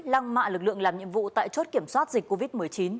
lăng mạ lực lượng làm nhiệm vụ tại chốt kiểm soát dịch covid một mươi chín